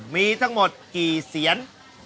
มีทั้งหมดกี่เสียน